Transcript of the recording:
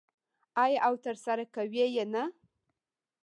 آیا او ترسره کوي یې نه؟